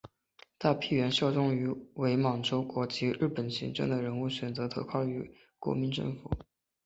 大批原效忠于伪满洲国及日本政权的人物选择投靠于国民政府。